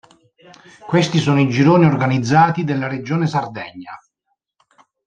Questi sono i gironi organizzati della regione Sardegna.